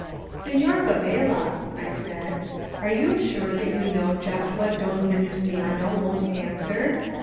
"Senor Fabela," I said, "are you sure that you know just what Don Venustiano won't answer?"